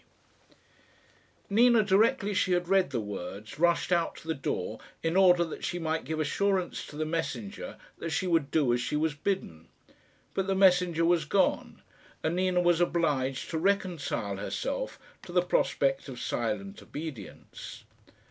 T." Nina, directly she had read the words, rushed out to the door in order that she might give assurance to the messenger that she would do as she was bidden; but the messenger was gone, and Nina was obliged to reconcile herself to the prospect of silent obedience.